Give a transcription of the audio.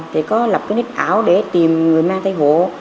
thì có lập cái nick ảo để tìm người mang thai hộ